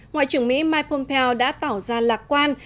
ngoại trưởng mỹ mike pompeo đã tỏ ra lạc quan